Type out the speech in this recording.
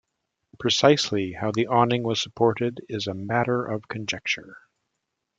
Precisely how the awning was supported is a matter of conjecture.